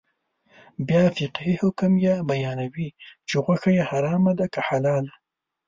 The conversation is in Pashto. بیا فقهي حکم یې بیانوي چې غوښه یې حرامه ده که حلاله.